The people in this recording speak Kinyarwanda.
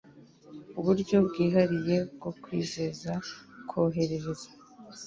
uburyo bwihariye bwo kwizeza koherereza